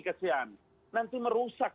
kesian nanti merusak